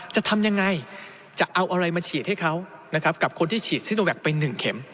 จะทำยังไงจะเอาอะไรมาฉีดให้เขานะครับกับคนที่ฉีดซิโนแวคไป๑เข็ม